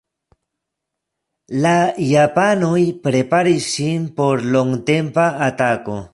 La japanoj preparis sin por longtempa atako.